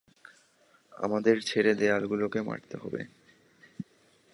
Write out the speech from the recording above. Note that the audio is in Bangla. আমাদের ছেড়ে দেওয়াগুলোকে মারতে হবে।